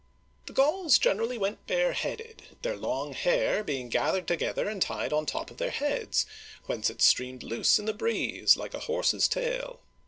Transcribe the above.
The Gauls generally went bareheaded, their long hair being gathered together and tied on top of their heads, whence it streamed loose in the breeze, like a horse's tail.